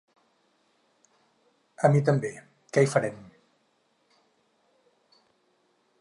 A mi també, què hi farem!